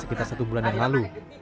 dia sudah berdarah